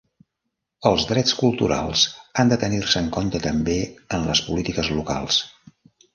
Els drets culturals han de tenir-se en compte també en les polítiques locals.